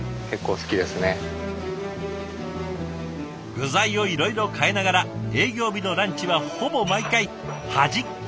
具材をいろいろ変えながら営業日のランチはほぼ毎回端っこ